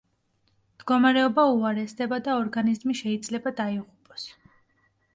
მდგომარეობა უარესდება და ორგანიზმი შეიძლება დაიღუპოს.